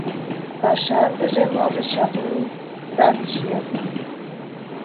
Пашазыже, можыч, чаплынрак чия.